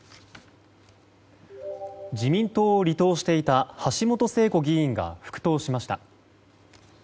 自民党を離党していた橋本聖子議員が復党しました。